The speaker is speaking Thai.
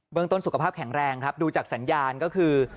เมืองต้นสุขภาพแข็งแรงครับดูจากสัญญาณก็คือ